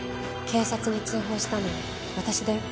警察に通報したのは私だよ。